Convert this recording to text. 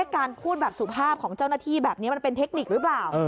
การพูดแบบสุภาพของเจ้าหน้าที่แบบนี้มันเป็นเทคนิคหรือเปล่า